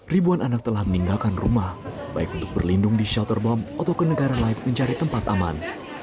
ribuan anak telah meninggalkan rumah baik untuk berlindung di shelter bom atau ke negara lain mencari tempat aman